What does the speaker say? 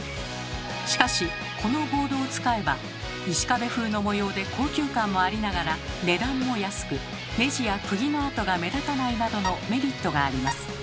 しかしこのボードを使えば石壁風の模様で高級感もありながら値段も安くネジやくぎの跡が目立たないなどのメリットがあります。